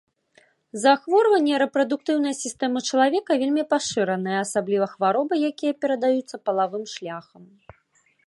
Захворванні рэпрадуктыўнай сістэмы чалавека вельмі пашыраныя, асабліва хваробы, якія перадаюцца палавым шляхам.